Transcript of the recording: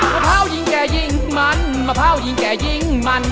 มะพร้าวยิ่งแก่ยิ่งมันมะพร้าวยิ่งแก่ยิ่งมัน